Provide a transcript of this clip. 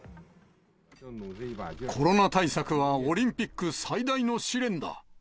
コロナ対策はオリンピック最大の試練だ。